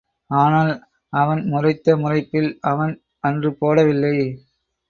ஆனால், இவன் முறைத்த முறைப்பில், அவன், அன்று போடவில்லை.